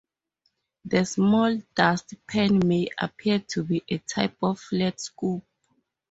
The small dustpan may appear to be a type of flat scoop.